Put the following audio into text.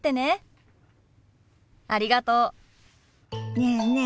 ねえねえ